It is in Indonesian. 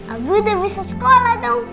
aku udah bisa sekolah dong